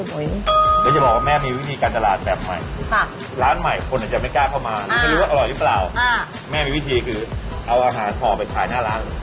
อร่อยหรือเปล่าแม่มีวิธีคือเอาอาหารถ่อไปขายหน้าร้าน